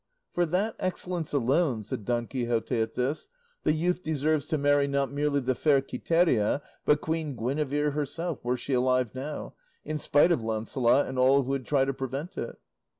"For that excellence alone," said Don Quixote at this, "the youth deserves to marry, not merely the fair Quiteria, but Queen Guinevere herself, were she alive now, in spite of Launcelot and all who would try to prevent it."